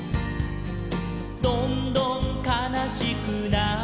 「どんどんかなしくなって」